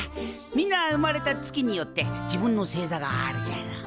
みんな生まれた月によって自分の星座があるじゃろう。